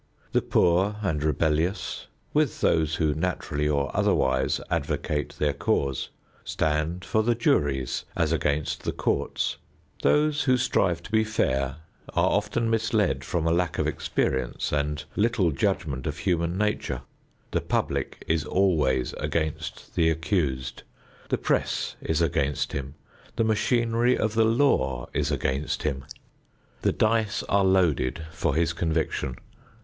The poor and rebellious, with those who naturally or otherwise advocate their cause, stand for the juries as against the courts. Those who strive to be fair are often misled from a lack of experience and little judgment of human nature. The public is always against the accused. The press is against him. The machinery of the law is against him. The dice are loaded for his conviction.